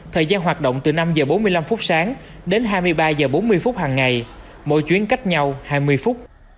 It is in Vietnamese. thời gian hoạt động từ năm h bốn mươi năm phút sáng đến hai mươi ba h bốn mươi phút hàng ngày mỗi chuyến cách nhau hai mươi phút